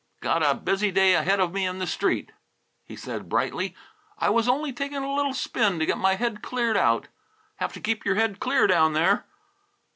"Got a busy day ahead of me in the Street," he said brightly. "I was only taking a little spin to get my head cleared out. Have to keep your head clear down there!"